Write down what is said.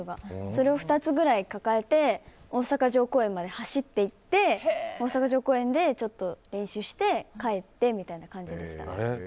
それを２つぐらい抱えて大阪城公園まで走って行って大阪城公園で練習して帰ってみたいな感じでした。